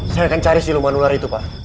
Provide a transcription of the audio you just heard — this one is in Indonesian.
saya akan cari siluman ular itu pak